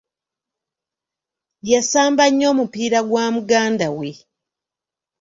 Yasamba nnyo omupiira gwa muganda we.